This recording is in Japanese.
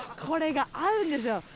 これが合うんですよ。